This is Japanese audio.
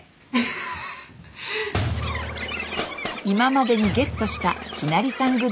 今までにゲットしたひなりさん